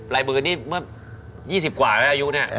ลายมือนี่เมื่อ๒๐กว่าไหมอายุเนี่ย